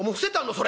それ。